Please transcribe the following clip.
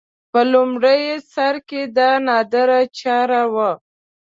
په لومړي سر کې دا نادره چاره وه